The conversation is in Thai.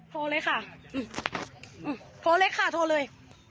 โทรเลยค่ะโทรเลยค่ะโทรเลย